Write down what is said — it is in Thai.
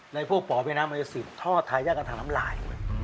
แล้วพวกพ่อไปน้ำไอศิษย์ทอดไทยยากกันทำหลาย